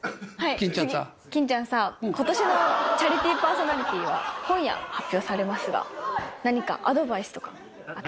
欽ちゃんさあ、ことしのチャリティーパーソナリティーは今夜発表されますが、なにかアドバイスとか。